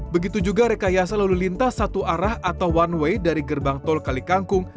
begitu juga rekayasa lalu lintas satu arah atau one way dari gerbang tol kalikangkung